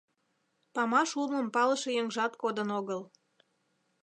Памаш улмым палыше еҥжат кодын огыл.